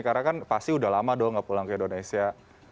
karena kan pasti sudah lama dong nggak pulang ke indonesia